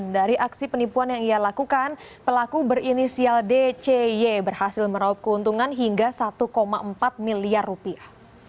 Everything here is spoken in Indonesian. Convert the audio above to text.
dari aksi penipuan yang ia lakukan pelaku berinisial dcy berhasil meraup keuntungan hingga satu empat miliar rupiah